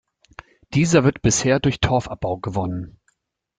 Dieser wird bisher durch Torfabbau gewonnen.